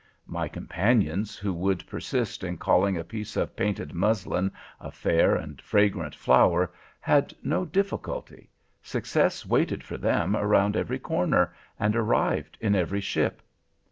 My companions who would persist in calling a piece of painted muslin a fair and fragrant flower had no difficulty; success waited for them around every corner, and arrived in every ship.